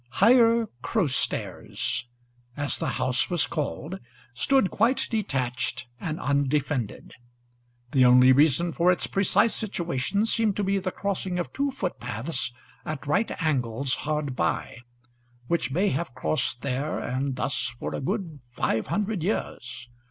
Higher Crowstairs, as the house was called, stood quite detached and undefended. The only reason for its precise situation seemed to be the crossing of two foot paths at right angles hard by, which may have crossed there and thus for a good five hundred years.